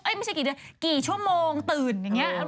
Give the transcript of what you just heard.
ไม่ใช่กี่เดือนกี่ชั่วโมงตื่นอย่างนี้